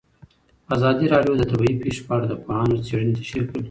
ازادي راډیو د طبیعي پېښې په اړه د پوهانو څېړنې تشریح کړې.